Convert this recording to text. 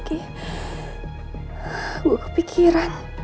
oke gue kepikiran